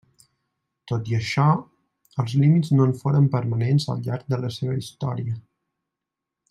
Tot i això, els límits no en foren permanents al llarg de la seva història.